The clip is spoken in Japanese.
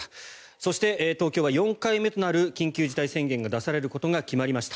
そして、東京は４回目となる緊急事態宣言が出されることが決まりました。